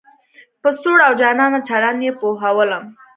په سوړ او جانانه چلن یې پوهولم.